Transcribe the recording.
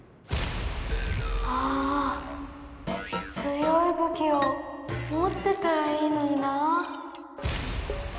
ああ強いぶきをもってたらいいのになあ。